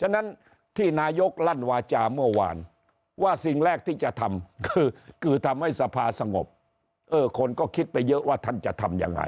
ฉะนั้นที่นายกลั่นวาจาเมื่อวานว่าสิ่งแรกที่จะทำคือทำให้สภาสงบเออคนก็คิดไปเยอะว่าท่านจะทำยังไง